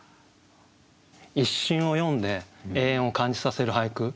一瞬を詠んで永遠を感じさせる俳句。